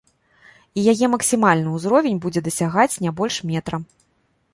І яе максімальны ўзровень будзе дасягаць не больш метра.